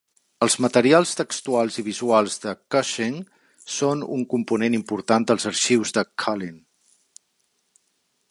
Els materials textuals i visuals de Cushing són un component important dels arxius de Cullin.